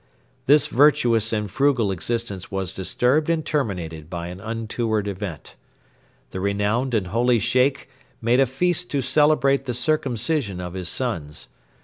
This virtuous and frugal existence was disturbed and terminated by an untoward event. The renowned and holy Sheikh made a feast to celebrate the circumcision of his sons.